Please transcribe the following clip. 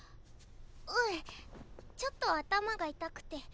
うんちょっと頭が痛くて。